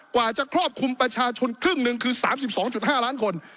กว่าจะครอบคลุมประชาชนครึ่งหนึ่งคือ๓๒๕ล้านคน